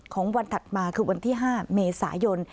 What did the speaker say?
ของวันถัดมาคือวันที่๕เมษายน